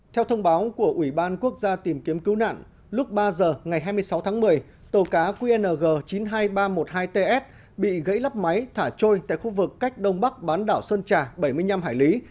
theo thông báo của ủy ban quốc gia tìm kiếm cứu nạn lúc ba giờ ngày hai mươi sáu tháng một mươi tàu cá qng chín mươi hai nghìn ba trăm một mươi hai ts bị gãy lấp máy thả trôi tại khu vực cách đông bắc bán đảo sơn trà bảy mươi năm hải lý